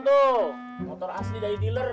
betul motor asli dari dealer